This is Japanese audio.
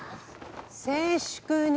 静粛に。